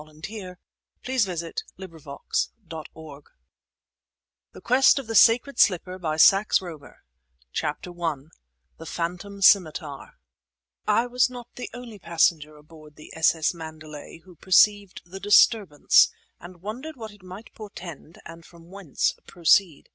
MY LAST MEETING WITH HASSAN OF ALEPPO THE QUEST OF THE SACRED SLIPPER CHAPTER I THE PHANTOM SCIMITAR I was not the only passenger aboard the S.S. Mandalay who perceived the disturbance and wondered what it might portend and from whence proceed.